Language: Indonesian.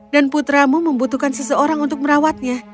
dan putramu membutuhkan seseorang untuk merawatnya